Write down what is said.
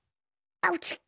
あうち。